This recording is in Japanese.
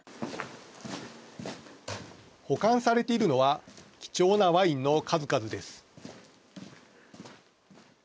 保管されているのは貴重なワインの数々です。